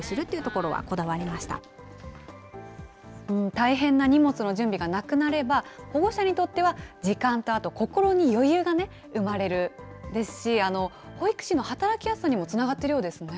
大変な荷物の準備がなくなれば、保護者にとっては時間とあと心に余裕が生まれるですし、保育士の働きやすさにもつながっているようですね。